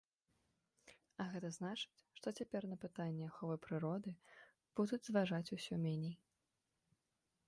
А гэта значыць, што цяпер на пытанні аховы прыроды будуць зважаць усё меней.